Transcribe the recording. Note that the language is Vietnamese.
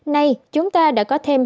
nay chúng ta đã có thêm